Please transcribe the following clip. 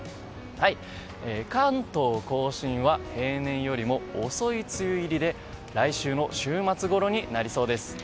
関東・甲信は平年よりも遅い梅雨入りで来週の週末ごろになりそうです。